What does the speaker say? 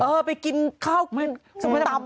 เออไปกินข้าวซุปตับ